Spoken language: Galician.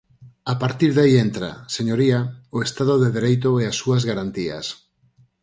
A partir de aí entra, señoría, o Estado de dereito e as súas garantías.